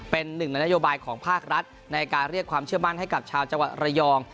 เป็นหนึ่งในนโยบายของภาครัฐในการเรียกความเชื่อมั่นให้กับชาวจังหวัดระยอง